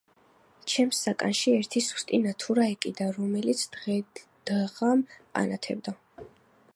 ჩემს საკანში ერთი სუსტი ნათურა ეკიდა, რომელიც დღედაღამ ანათებდა.